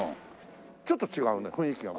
ちょっと違うね雰囲気が。